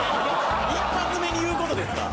一発目に言う事ですか！